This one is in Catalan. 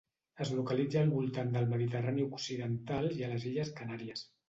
Es localitza al voltant del Mediterrani occidental i a les Illes Canàries.